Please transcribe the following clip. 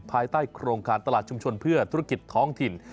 ภายใต้โครงการตลาดชุมชนเพื่อธุรกิจท้องถิ่น